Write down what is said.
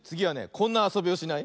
こんなあそびをしない？